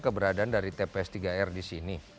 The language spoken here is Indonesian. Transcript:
keberadaan dari tps tiga r di sini